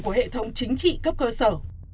của hệ thống chính trị cấp cơ sở